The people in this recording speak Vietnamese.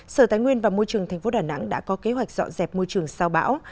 sở tài nguyên và môi trường tp đà nẵng đã có kế hoạch dọn dẹp môi trường sau bão